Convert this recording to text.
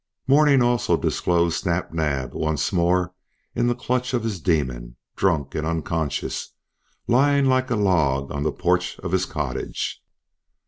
Morning also disclosed Snap Naab once more in the clutch of his demon, drunk and unconscious, lying like a log on the porch of his cottage.